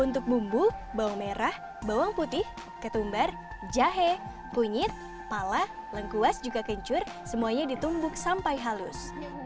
untuk bumbu bawang merah bawang putih ketumbar jahe kunyit pala lengkuas juga kencur semuanya ditumbuk sampai halus